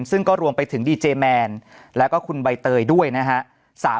ซึ่งก็รวมไปถึงดีเจแมนแล้วก็คุณใบเตยด้วยนะฮะ